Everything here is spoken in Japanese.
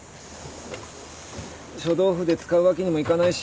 書道筆使うわけにもいかないし。